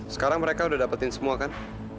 sekarang mereka udah dapetin semua kan